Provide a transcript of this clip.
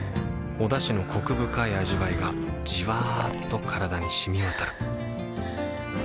おだしのコク深い味わいがじわっと体に染み渡るはぁ。